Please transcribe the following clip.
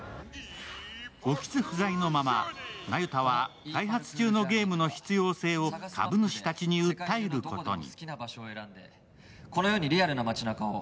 興津不在のまま那由他は開発中のゲームの必要性を株主たちに訴えることに。